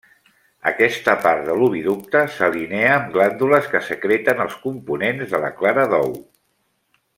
Aquesta part de l'oviducte s'alinea amb glàndules que secreten els components de la clara d'ou.